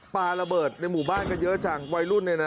ปลาระเบิดในหมู่บ้านกันเยอะจังวัยรุ่นเนี่ยนะ